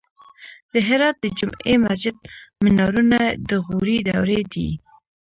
د هرات د جمعې مسجد مینارونه د غوري دورې دي